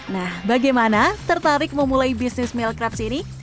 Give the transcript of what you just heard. nah bagaimana tertarik memulai bisnis milk crepes ini